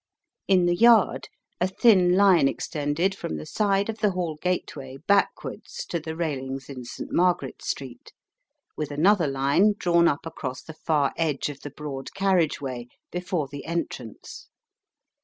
In the Yard a thin line extended from the side of the Hall gateway backwards to the railings in St. Margaret's Street, with another line drawn up across the far edge of the broad carriage way before the entrance.